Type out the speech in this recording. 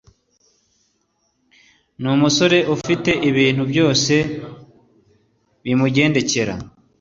numusore ufite ibintu byose bimugendekera